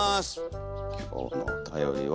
今日のおたよりは。